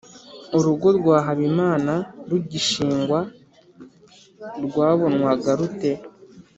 Urugo rwa Habimana rugishingwa rwabonwaga rute